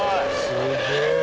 すげえ。